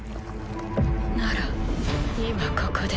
なら今ここで。